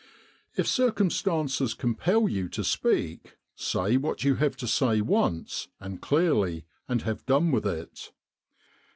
If circumstances compel you to speak, say what you have to say once and clearly, and have done with it.